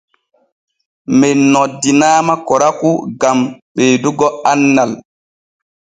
Men noddinaama korakou gan ɓeedugo annal.